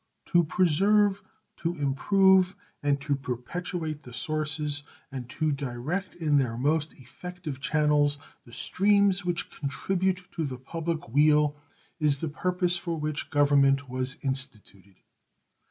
To preserve, to improve, and to perpetuate the sources and to direct in their most effective channels the streams which contribute to the public weal is the purpose for which Government was instituted.